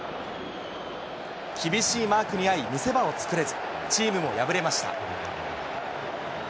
厳しいマークにあい、見せ場を作れず、チームも敗れました。